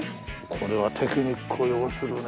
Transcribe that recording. これはテクニックを要するね。